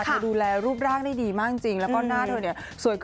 เธอดูแลรูปร่างได้ดีมากจริงแล้วก็หน้าเธอเนี่ย